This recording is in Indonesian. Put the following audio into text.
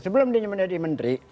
sebelum dia menjadi menteri